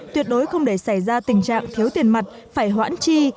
tuyệt đối không để xảy ra tình trạng thiếu tiền mặt phải hoãn chi